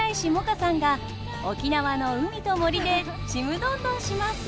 歌さんが沖縄の海と森でちむどんどんします！